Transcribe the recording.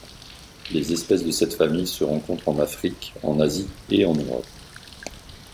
Les espèces de cette famille se rencontrent en Afrique, en Asie et en Europe.